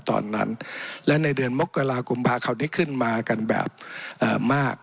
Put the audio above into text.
ตอนนั้นและในเดือนมกรากุมภาคราวนี้ขึ้นมากันแบบมาก